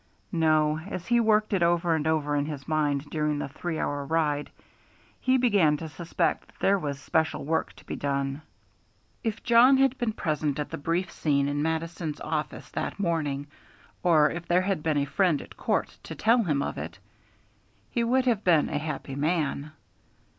No, as he worked it over and over in his mind during the three hour ride, he began to suspect that there was special work to be done. If Jawn had been present at the brief scene in Mattison's office that morning, or if there had been a friend at court to tell him of it, he would have been a happy man.